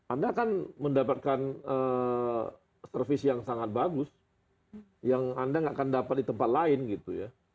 anda akan mendapatkan servis yang sangat bagus yang anda nggak akan dapat di tempat lain gitu ya